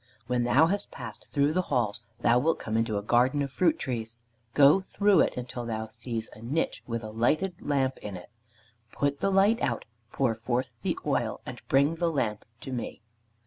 When thou hast passed through the halls thou wilt come into a garden of fruit trees. Go through it until thou seest a niche with a lighted lamp in it. Put the light out, pour forth the oil, and bring the lamp to me."